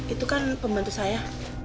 itu kan pembantu saya